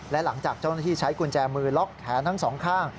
และหลังจากเจ้าหน้าที่ใช้กุญแจมือล็อกแขนทั้งสองข้าง